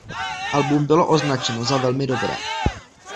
Album bylo označeno za velmi dobré.